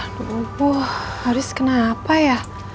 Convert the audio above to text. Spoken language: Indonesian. aduh haris kenapa ya